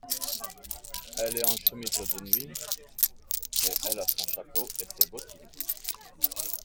Elle est en chemise de nuit, mais elle a son chapeau et ses bottines.